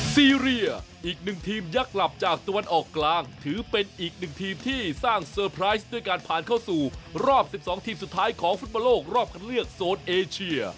ซีเรียอีกหนึ่งทีมยักษ์กลับจากตะวันออกกลางถือเป็นอีกหนึ่งทีมที่สร้างเซอร์ไพรส์ด้วยการผ่านเข้าสู่รอบ๑๒ทีมสุดท้ายของฟุตบอลโลกรอบคันเลือกโซนเอเชีย